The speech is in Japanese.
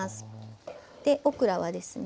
でオクラはですね